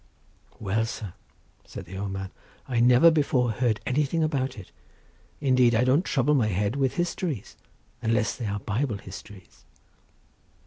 "Well, sir," said the old man, "I never before heard anything about it, indeed I don't trouble my head with histories, unless they be Bible histories."